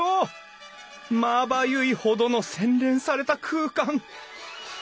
まばゆいほどの洗練された空間。